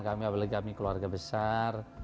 kami keluarga besar